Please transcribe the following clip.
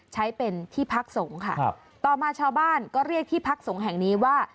ใช้เป็นที่พักสงฆ์ค่ะต่อมาชาวบ้านก็เรียกที่พักสงฆ์แห่งนี้ว่า